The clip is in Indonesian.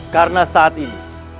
karena saat ini